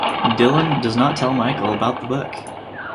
Dylan does not tell Michael about the book.